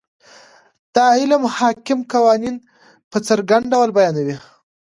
دا علم حاکم قوانین په څرګند ډول بیانوي.